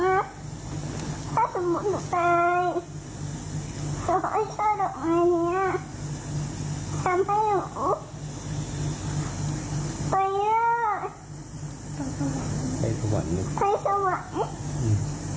เอภพผู้พระพุทธเจ้า